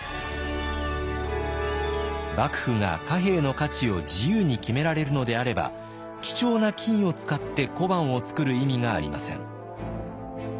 幕府が貨幣の価値を自由に決められるのであれば貴重な金を使って小判を造る意味がありません。